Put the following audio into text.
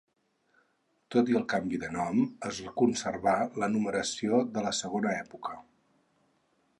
Tot i el canvi de nom, es conservà la numeració de la segona època.